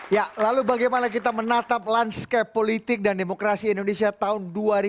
ya lalu bagaimana kita menatap landscape politik dan demokrasi indonesia tahun dua ribu dua puluh